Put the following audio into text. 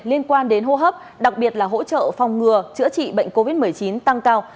liên quan đến hô hấp đặc biệt là hỗ trợ phòng ngừa chữa trị bệnh covid một mươi chín tăng cao